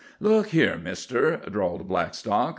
"Look here, mister," drawled Blackstock.